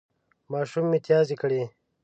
ماشوم متیازې کړې